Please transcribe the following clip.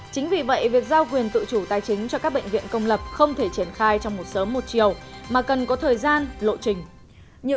chính vì vậy việc giao quyền tự chủ tài chính cho các bệnh viện công lập không thể triển khai trong một sớm một chiều mà cần có thời gian lộ trình